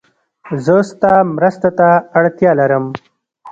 زه ستا مرسته ته اړتیا لرم.